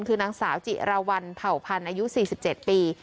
คือนางสาวจิราวัลเผ่าพันธ์อายุ๔๗ปี